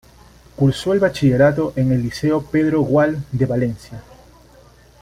Cursó el bachillerato en el liceo Pedro Gual de Valencia.